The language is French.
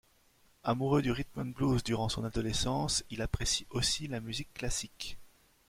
Amoureux du Rhythm and blues durant son adolescence, il apprécie aussi la musique classique.